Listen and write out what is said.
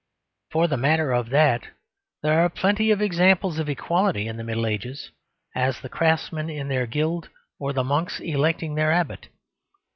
For the matter of that, there are plenty of examples of equality in the Middle Ages, as the craftsmen in their guild or the monks electing their abbot.